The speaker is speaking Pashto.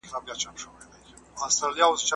زه به اوږده موده انځور ليدلی وم.